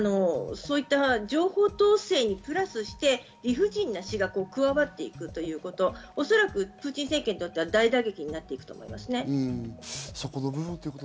情報統制にプラスして理不尽な死が加わっていくということ、おそらくプーチン政権にとっては大打撃になっていくと思います。